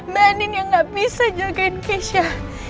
mbak andin yang gak bisa jagain keisha